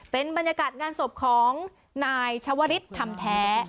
เป็นบรรยากาศงานศพของนายชวริสทำแท้